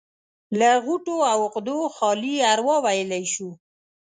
له غوټو او عقدو خالي اروا ويلی شو.